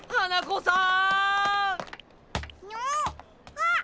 あっ！